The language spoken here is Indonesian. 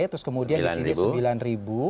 terus kemudian disini sembilan ribu